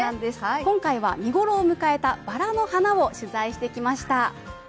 今回は見頃を迎えたバラの花を取材してきました。